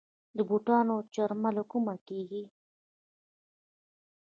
د بوټانو چرم له کومه کیږي؟